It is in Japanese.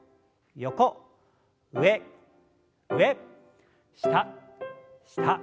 上上下下。